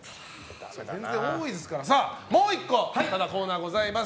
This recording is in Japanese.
さあ、もう１個コーナーございます。